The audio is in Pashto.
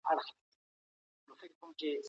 ایا بهرني سوداګر شین ممیز ساتي؟